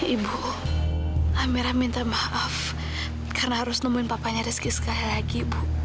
ibu hamil minta maaf karena harus nemuin papanya rizky sekali lagi ibu